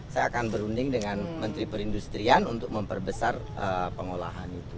saya akan berunding dengan menteri perindustrian untuk memperbesar pengolahan itu